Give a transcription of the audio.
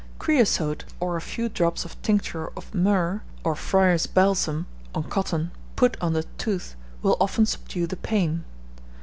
Creosote, or a few drops of tincture of myrrh, or friar's balsam, on cotton, put on the tooth, will often subdue the pain.